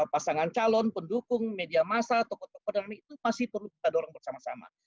pasangan calon pendukung media massa tokoh tokoh dan lain itu masih perlu kita dorong bersama sama